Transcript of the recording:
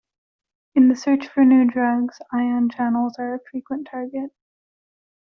In the search for new drugs, ion channels are a frequent target.